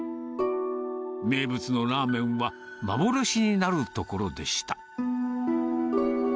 名物のラーメンは幻になるところでした。